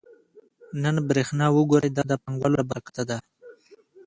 نن برېښنا وګورئ دا د پانګوالو له برکته ده